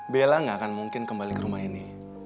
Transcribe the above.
bella gak akan mungkin kembali ke rumah ini